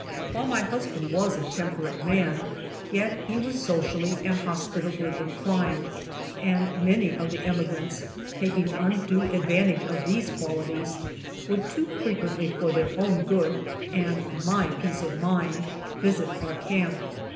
While my husband was a tem perate man, yet he was socially and hospitably inclined, and many of the emigrants, taking undue advantage of these qualities, would too frequently for their own good and my peace of mind visit our camp.